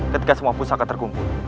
ketika semua pusaka terkumpul